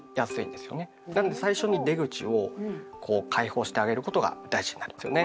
なんで最初に出口をこう開放してあげることが大事になるんですよね。